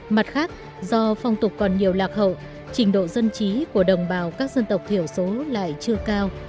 mặt khác do phong tục còn nhiều lạc hậu trình độ dân trí của đồng bào các dân tộc thiểu số lại chưa cao